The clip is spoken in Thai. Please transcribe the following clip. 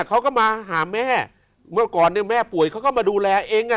เขาก็มาหาแม่เมื่อก่อนเนี่ยแม่ป่วยเขาก็มาดูแลเองอ่ะ